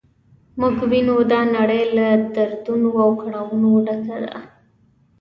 موږ وینو دا نړۍ له دردونو او کړاوونو ډکه ده.